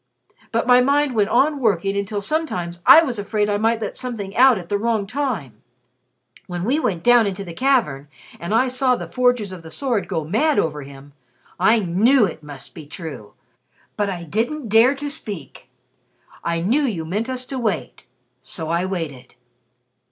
But my mind went on working until sometimes I was afraid I might let something out at the wrong time. When we went down into the cavern, and I saw the Forgers of the Sword go mad over him I knew it must be true. But I didn't dare to speak. I knew you meant us to wait; so I waited."